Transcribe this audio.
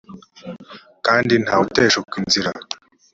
kandi nta wuteshuka inzira